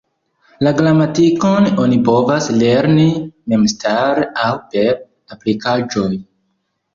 La gramatikon oni povas lerni memstare aŭ per aplikaĵoj.